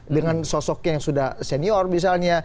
dengan sosok yang sudah senior misalnya